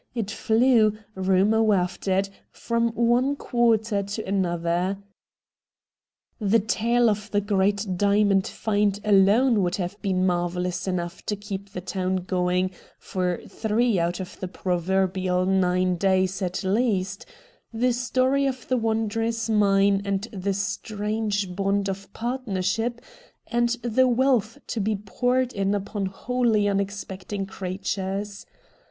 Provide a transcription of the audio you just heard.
It flew, rumour wafted, from one quarter to another. The tale of the great diamond find alone would have been marvellous enough to keep the town going for three out of the proverbial nine days at least — the story of the wondrous mine and the strange bond of partnership and the wealth to be poured in upon wholly unexpecting creatures.